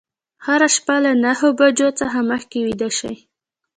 هره شپه له نهه بجو څخه مخکې ویده شئ.